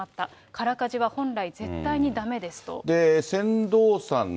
空かじは本来絶対にだめですと。